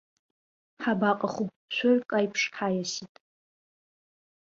Ҳабаҟаху, шәырк аиԥш ҳаиаст!